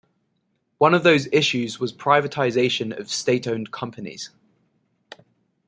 One of those issues was privatisation of state-owned companies.